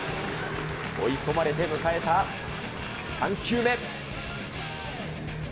追い込まれて迎えた３球目。